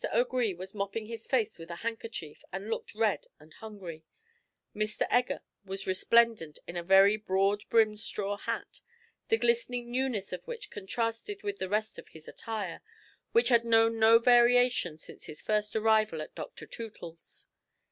O'Gree was mopping his face with a handkerchief, and looked red and hungry; Mr. Egger was resplendent in a very broad brimmed straw hat, the glistening newness of which contrasted with the rest of his attire, which had known no variation since his first arrival at Dr. Tootle's.